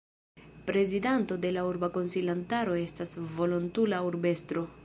Prezidanto de la urba konsilantaro estas volontula urbestro.